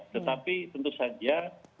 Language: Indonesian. tetapi tentu saja